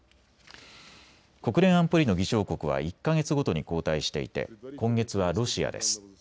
国連安保理の議長国は１か月ごとに交代していて今月はロシアです。